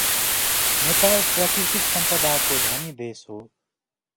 नेपाल प्राकृतिक सम्पदाको धनी देश हो।